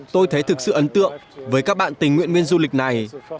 tôi thấy thực sự ấn tượng với các bạn tình nguyện viên du lịch này